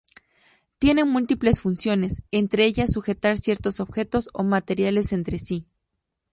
Tiene múltiples funciones, entre ellas sujetar ciertos objetos o materiales entre sí.